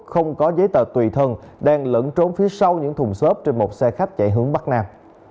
không có giấy tờ tùy thân đang lẫn trốn phía sau những thùng xốp trên một xe khách chạy hướng bắc nam